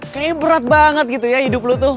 kayaknya berat banget gitu ya hidup lu tuh